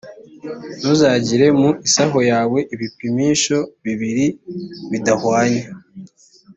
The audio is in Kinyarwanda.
ntuzagire mu isaho yawe ibipimisho bibiri bidahwanye,